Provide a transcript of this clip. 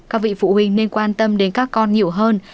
các vị phụ huynh nên quan tâm đến các con nhiều hơn